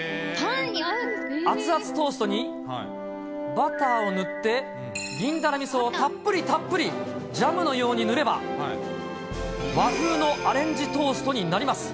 熱々トーストにバターを塗って、銀だらみそをたっぷりたっぷり、ジャムのように塗れば、和風のアレンジトーストになります。